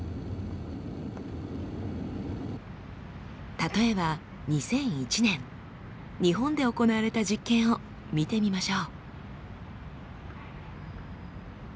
例えば２００１年日本で行われた実験を見てみましょう。